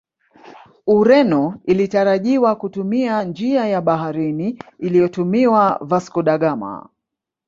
Ureno ilitarajiwa kutumia njia ya baharini iliyotumiwa Vasco da Ghama